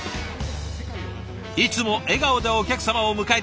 いつも笑顔でお客様を迎える。